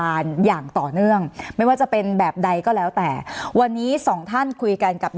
สนับสนุนโดยพี่โพเพี่ยวสะอาดใสไร้คราบ